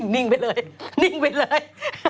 นิ่งไปเลย